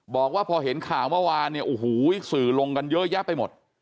บอกว่าพอเห็นข่าวเมื่อวานเนี่ยโอ้โหสื่อลงกันเยอะแยะไปหมด